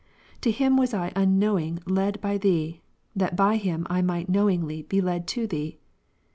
To him was I unknowing led by Thee, that by him I might knowingly be led to Thee.